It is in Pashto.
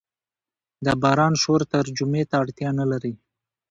د باران شور ترجمې ته اړتیا نه لري.